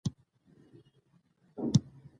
هلک د کوټې په وره کې ودرېد.